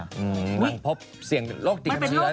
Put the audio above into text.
มังพบเสี่ยงโรคดีของเลือด